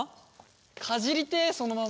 かじりてえそのまま。